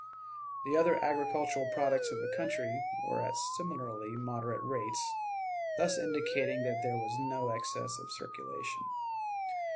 The other agricultural products of the country were at similarly moderate rates, thus indicating that there was no excess of circulation.